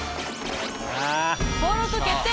登録決定！